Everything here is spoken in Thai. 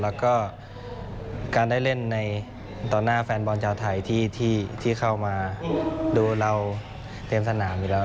แล้วก็การได้เล่นในต่อหน้าแฟนบอลชาวไทยที่เข้ามาดูเราเตรียมสนามอยู่แล้ว